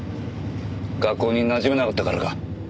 学校になじめなかったからか？